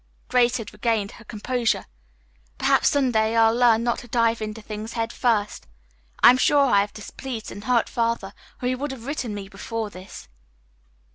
Grace had regained her composure. "Perhaps some day I'll learn not to dive into things head first. I am sure I have displeased and hurt Father, or he would have written me before this."